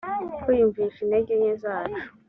kwiyumvisha intege nke zacu